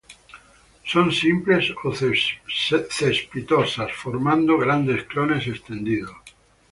Son simples o cespitosas, formando grandes clones extendidos.